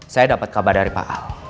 saya dapat kabar dari pak